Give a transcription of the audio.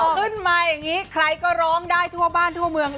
ขึ้นมาอย่างนี้ใครก็ร้องได้ทั่วบ้านทั่วเมืองเลย